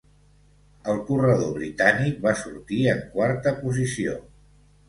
El corredor britànic va sortir en quarta posició.